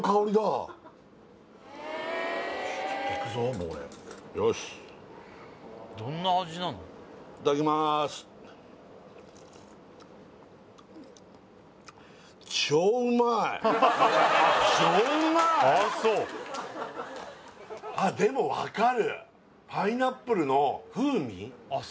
もう俺よしあっでも分かるパイナップルの風味？